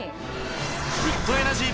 フットエナジー